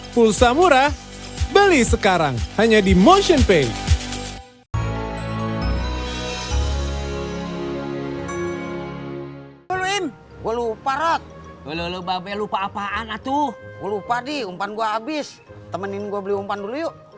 pulsa murah beli sekarang hanya di motionpay